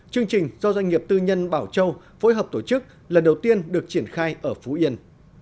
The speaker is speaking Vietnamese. chương trình do doanh nghiệp tư nhân bảo châu phối hợp tổ chức lần đầu tiên được triển khai ở phú yên